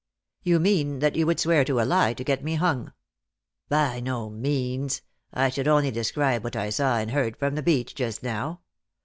" You mean that you would swear to a lie to get me hung !"" By no means. I should only describe what I saw and heard from the beach just now.